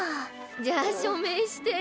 じゃあ署名してぇ。